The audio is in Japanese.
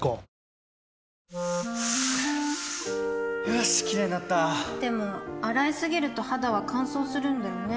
よしキレイになったでも、洗いすぎると肌は乾燥するんだよね